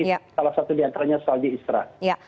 salah satu diantaranya soal di isra